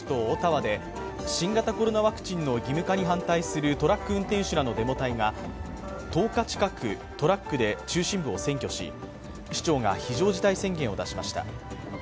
オタワで新型コロナワクチンの義務化に反対するトラック運転手らのデモ隊が、１０被近くトラックで中心部を占拠し、市長が非常事態宣言を出しました。